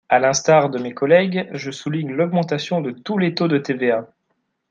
À l’instar de mes collègues, je souligne l’augmentation de tous les taux de TVA.